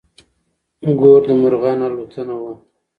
ګور د مرغانو الوتنه وه.